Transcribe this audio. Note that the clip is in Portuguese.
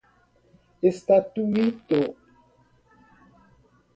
estatuído